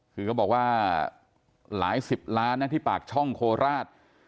ก็บอกว่าหลายสิบล้านที่ปากช่องโคลาศ